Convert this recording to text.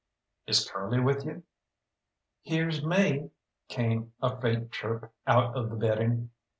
"Is Curly with you?" "Here's me," came a faint chirp out of the bedding.